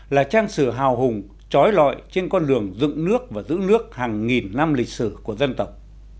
là trang sử hào hùng trói lọi trên con đường dựng nước và giữ nước hàng nghìn năm lịch sử của dân tộc